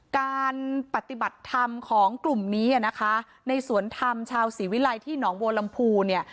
การปฏิบัติธรรมของกลุ่มนี้นะคะในสวนธรรมชาวศรีวิลัยที่หนองบัวลำพูเนี่ย